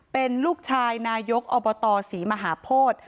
เป็นลูกชายนายกอบตศรีมหาโพธิ